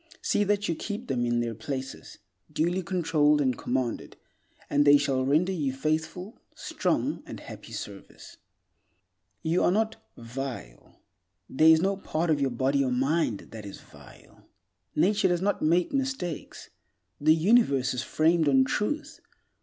See that you keep them in their places, duly controlled and commanded, and they shall render you faithful, strong, and happy service. You are not "vile." There is no part of your body or mind that is vile. Nature does not make mistakes. The Universe is framed on Truth.